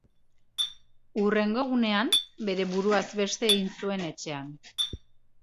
Hurrengo egunean, bere buruaz beste egin zuen etxean.